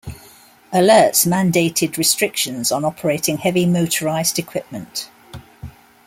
Alerts mandated restrictions on operating heavy motorized equipment.